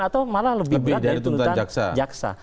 atau malah lebih berat dari tuntutan jaksa